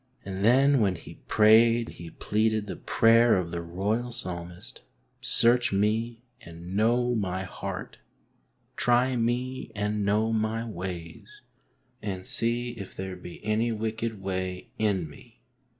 And then when he prayed he pleaded the prayer of the royal Psalmist, " Search me and know my heart, try me and know my ways, and see if there be any wicked way in me."